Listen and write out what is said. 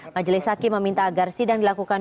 majelis hakim meminta agar sidang dilakukan